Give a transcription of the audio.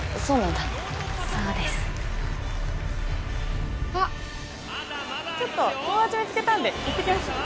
そうです。